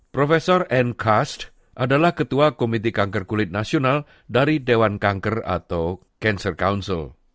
prof and kash adalah ketua komiti kanker kulit nasional dari dewan kanker atau cancer council